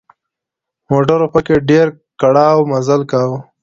موټرو پکې په ډېر کړاو مزل کاوه.